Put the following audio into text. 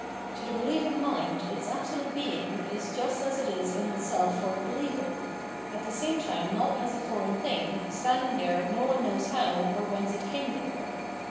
To the believing mind its absolute Being is just as it is in itself for the believer, at the same time not as a foreign thing, standing there no one knows how or whence it came there.